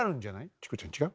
チコちゃん違う？